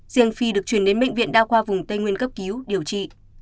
riêng phi được chuyển đến bệnh viện đa khoa vùng tây nguyên cấp cứu điều trị